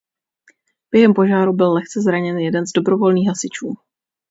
Během požáru byl lehce zraněn jeden z dobrovolných hasičů.